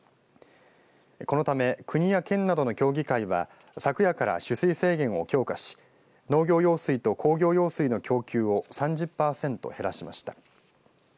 このため国や県などの協議会は昨夜から取水制限を強化し農業用水と工業用水の供給を３０％減らしました。